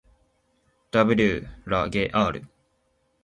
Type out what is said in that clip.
ｗ らげ ｒ